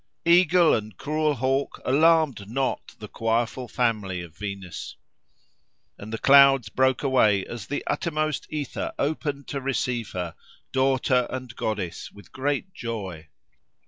Eagle and cruel hawk alarmed not the quireful family of Venus. And the clouds broke away, as the uttermost ether opened to receive her, daughter and goddess, with great joy.